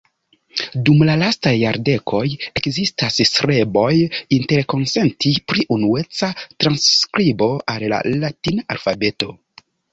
Dum la lastaj jardekoj ekzistas streboj interkonsenti pri unueca transskribo al la latina alfabeto.